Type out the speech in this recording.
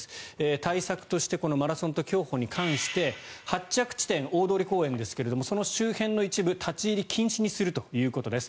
対策としてマラソンと競歩に関して発着地点、大通公園ですがその周辺の一部を立ち入り禁止にするということです。